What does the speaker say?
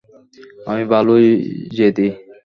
আমি ভালোই জেদী।